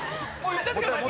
いっちゃってください！